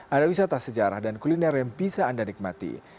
ada wisata sejarah dan kuliner yang bisa anda nikmati